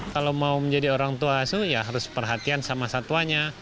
kalau mau menjadi orang tua asuh ya harus perhatian sama satwanya